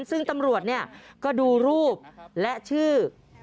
ซึ่งตำรวจเนี่ยก็ดูรูปและชื่อ